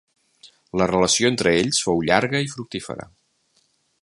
La relació entre ells fou llarga i fructífera.